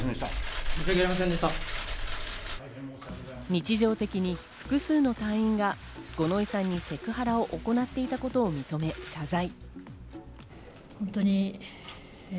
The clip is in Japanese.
日常的に複数の隊員が五ノ井さんにセクハラを行っていたことを認め、謝罪。